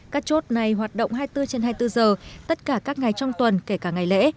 các chốt này hoạt động hai mươi bốn trên hai mươi bốn giờ tất cả các ngày trong tuần kể cả ngày lễ